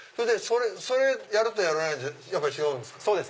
それやるとやらないとじゃやっぱ違うんですか？